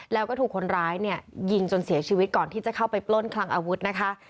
แล้วก็ถูกคนร้ายเนี่ยยิงจนเสียชีวิตก่อนที่จะเข้าไปปล้นคลังอาวุธนะคะ